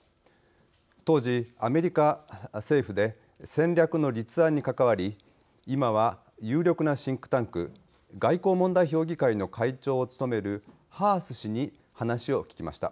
当時、アメリカ政府で戦略の立案に関わりいまは有力なシンクタンク外交問題評議会の会長を務めるハース氏に話を聞きました。